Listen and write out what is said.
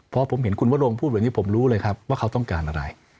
พอผมเห็นคุณวรงพูดแบบนี้ผมรู้เลยครับว่าเขาต้องการอะไร